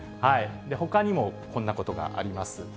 ほかにもこんなことがあります。